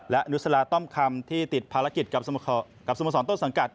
และอนุสลาต้อมคำที่ติดภารกิจกับสโมสรต้นสังกัด